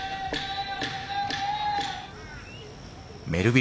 メルヴィル